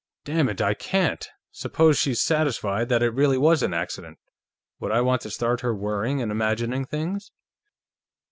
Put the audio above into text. "Dammit, I can't! Suppose she's satisfied that it really was an accident; would I want to start her worrying and imagining things?"